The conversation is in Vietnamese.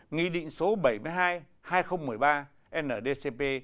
nghị định số bảy mươi hai hai nghìn một mươi ba ndcp